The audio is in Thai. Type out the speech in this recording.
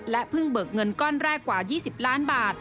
เพิ่งเบิกเงินก้อนแรกกว่า๒๐ล้านบาท